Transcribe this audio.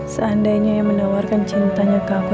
seandainya yang menawarkan cintanya ke aku